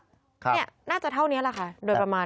น่าจะเท่านี้แหละค่ะโดยประมาณ